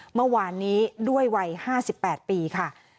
เมื่อวานนี้ด้วยวัย๕๘ปีค่ะ